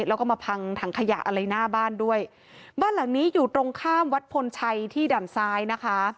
แล้วก็มาพังถังขยะอะไรหน้าบ้านด้วยบ้านหลังนี้อยู่ตรงข้ามวัดพลชัยที่ด่านซ้ายนะคะ